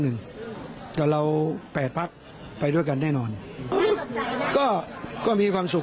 ตอนพื้นไปก็เห็นที่สอสอบ